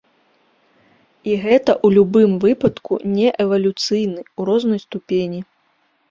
І гэта ў любым выпадку не эвалюцыйны, у рознай ступені.